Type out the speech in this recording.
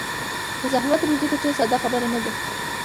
په زحمت روزي ګټل ساده خبره نه ده.